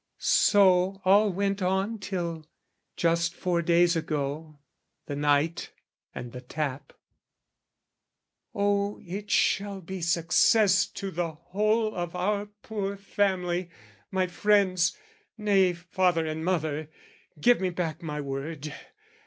So all went on till, just four days ago The night and the tap. O it shall be success To the whole of our poor family! My friends ...Nay, father and mother, give me back my word!